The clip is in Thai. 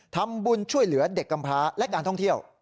ทำบุญช่วยเหลือเด็กกำพาและการท่องเที่ยว